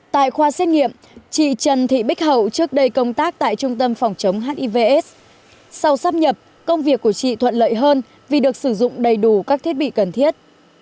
tại khoa xét nghiệm chị trần thị bích hậu trước đây công tác tại trung tâm phòng chống hiv aids sau sắp nhập công việc của chị thuận lợi hơn vì được sử dụng đầy đủ các thiết bị cần thiết